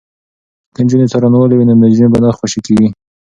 که نجونې څارنوالې وي نو مجرم به نه خوشې کیږي.